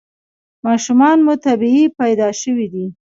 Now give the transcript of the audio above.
ماشومان مو طبیعي پیدا شوي دي؟